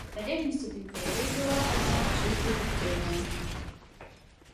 Залежнасць ад імперыі была, аднак, чыста фіктыўнай.